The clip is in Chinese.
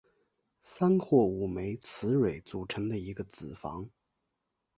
三或五枚雌蕊组成一个子房。